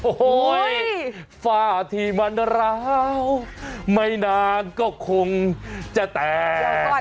โอ้โหฝ้าที่มันร้าวไม่นานก็คงจะแตก